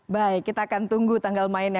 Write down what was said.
baik kita akan tunggu tanggal mainnya